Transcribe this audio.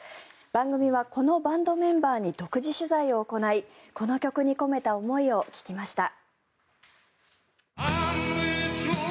番組はこのバンドメンバーに独自取材を行いこの曲に込めた思いを聞きました。